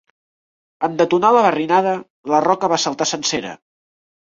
En detonar la barrinada, la roca va saltar sencera.